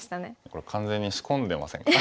これ完全に仕込んでませんか？